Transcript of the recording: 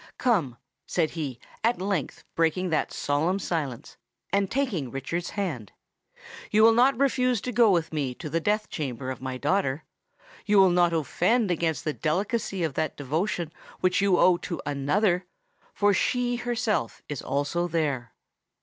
"Come," said he, at length breaking that solemn silence, and taking Richard's hand; "you will not refuse to go with me to the death chamber of my daughter? You will not offend against the delicacy of that devotion which you owe to another; for she herself is also there."